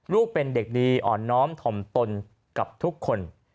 ลูกเป็นเด็กดีอ่อนน้อมถ่อมตนกับทุกคน